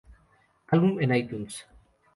Álbum en iTunes.